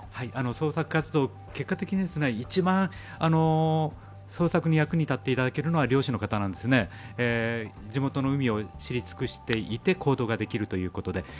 捜索活動、結果的に一番捜索に役に立っていただけるのは漁師の方なんですね地元の海を知り尽くしていて、行動ができるということで。